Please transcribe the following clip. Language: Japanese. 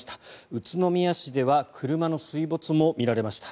宇都宮市では車の水没も見られました。